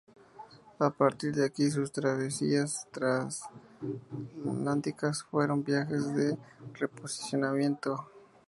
A partir de aquí sus travesías transatlánticas fueron viajes de reposicionamiento.